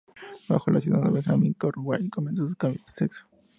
Bajo el cuidado de Benjamin, Conway comenzó su cambio de sexo.